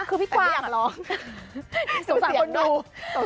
คือพี่กวางสงสัยคนดูแต่ไม่อยากร้อง